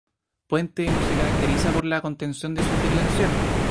Puente no se caracteriza por la contención en sus declaraciones.